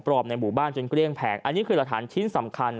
ในหมู่บ้านจนเกลี้ยงแผงอันนี้คือหลักฐานชิ้นสำคัญ